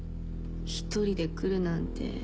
１人で来るなんて。